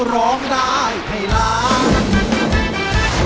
ร้องได้ไอ่ล้าน